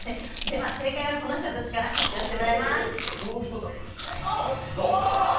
正解はこの人たちから発表してもらいます。